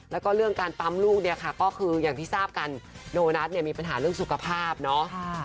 แล้วก็เรื่องการปั๊มลูกเนี่ยค่ะก็คืออย่างที่ทราบกันโดนัทเนี่ยมีปัญหาเรื่องสุขภาพเนาะ